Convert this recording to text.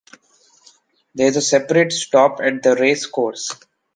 There is a separate stop at the race course.